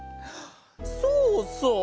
そうそう！